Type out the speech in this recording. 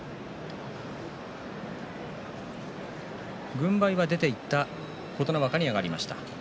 軍配は出ていった琴ノ若に上がりました。